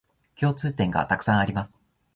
共通点がたくさんあります